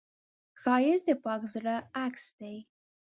ښایست د پاک زړه عکس دی